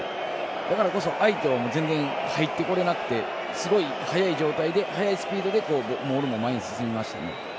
だからこそ相手が入ってこれなくてすごい速い状態で速いスピードでモールも前に進みましたね。